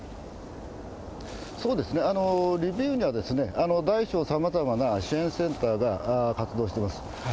そうですね、リビウには大小さまざまな支援センターが活動してます。